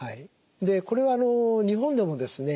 これは日本でもですね